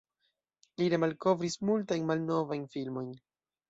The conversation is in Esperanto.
Li remalkovris multajn malnovajn filmojn.